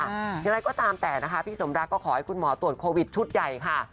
อย่างไรก็ตามแต่นะคะพี่สมรักก็ขอให้คุณหมอตรวจโควิดชุดใหญ่ค่ะ